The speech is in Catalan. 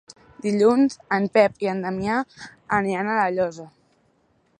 Dilluns en Pep i en Damià aniran a La Llosa.